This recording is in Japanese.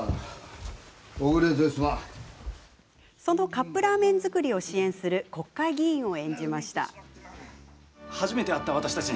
そのカップラーメン作りを支援する国会議員を演じました。